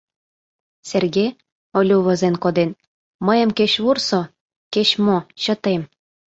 «Серге, — Олю возен коден, — мыйым кеч вурсо, кеч-мо — чытем.